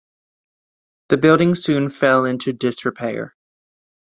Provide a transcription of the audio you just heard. The building soon fell into disrepair.